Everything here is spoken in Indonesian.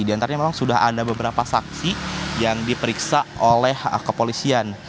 di antaranya memang sudah ada beberapa saksi yang diperiksa oleh kepolisian